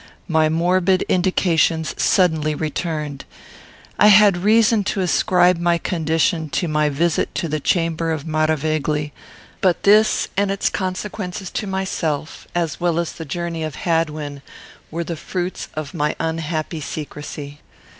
My morbid indications suddenly returned. I had reason to ascribe my condition to my visit to the chamber of Maravegli; but this and its consequences to myself, as well as the journey of Hadwin, were the fruits of my unhappy secrecy.